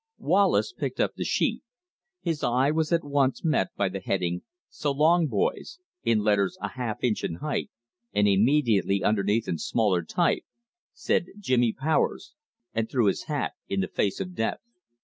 Wallace picked up the sheet. His eye was at once met by the heading, "'So long, boys,'" in letters a half inch in height, and immediately underneath in smaller type, "said Jimmy Powers, and threw his hat in the face of death."